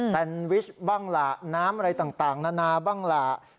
แซนวิชบ้างล่ะน้ำอะไรต่างนานาบ้างล่ะ